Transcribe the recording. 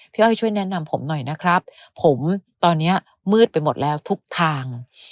อ้อยช่วยแนะนำผมหน่อยนะครับผมตอนนี้มืดไปหมดแล้วทุกทาง